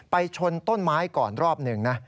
ชนต้นไม้ก่อนรอบหนึ่งนะ